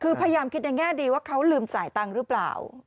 คือพยายามคิดในแง่ดีว่าเขาลืมจ่ายตังค์หรือเปล่า